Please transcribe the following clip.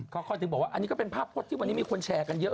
เขาก็ชิงบอกว่าอันนี้ก็เป็นภาพพรสฟ้าที่มีควรแชร์กันเยอะ